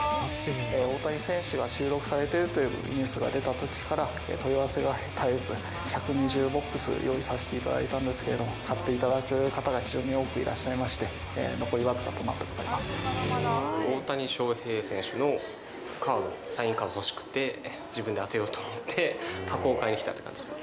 大谷選手が収録されているというニュースが出たときから、問い合わせが絶えず、１２０ボックス用意させていただいたんですけれども、買っていただく方が非常に多くいらっしゃいまして、残り僅かとな大谷翔平選手のカード、サインカード欲しくて、自分で当てようと思って、箱を買いに来たという感じです。